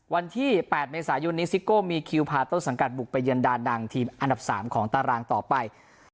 วันที่๘เมษายนนี้ซิโก้มีคิวพาต้นสังกัดบุกไปเยือนดาดังทีมอันดับ๓ของตารางต่อไป